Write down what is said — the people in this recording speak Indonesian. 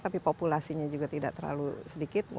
tapi populasinya juga tidak terlalu sedikit